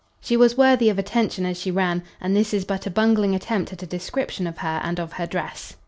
She was worthy of attention as she ran, and this is but a bungling attempt at a description of her and of her dress.